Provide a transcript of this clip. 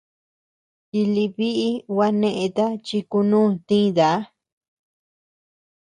Tilï biʼi gua neʼeta chi kunú tïta.